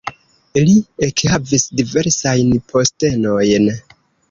Li ekhavis diversajn postenojn.